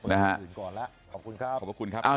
นะฮะ